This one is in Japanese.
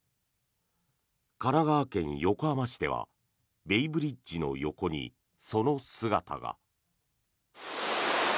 神奈川県横浜市ではベイブリッジの横にその姿が。